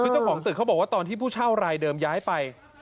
คือเจ้าของตึกเขาบอกว่าตอนที่ผู้เช่ารายเดิมย้ายไป